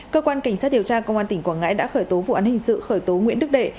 cơ quan cảnh sát điều tra công an tỉnh quảng ngãi đã khởi tố vụ án hình sự khởi tố nguyễn đức đề